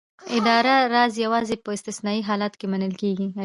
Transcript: اداري راز یوازې په استثنايي حالاتو کې منل کېږي.